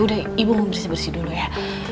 udah ibu mau bersih bersih dulu ya